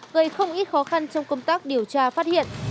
gây không ít khó khăn trong công tác điều tra phát hiện